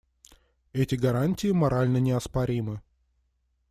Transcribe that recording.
Эти гарантии морально неоспоримы.